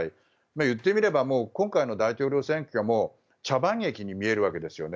言ってみれば今回の大統領選挙が茶番劇に見えるわけですよね。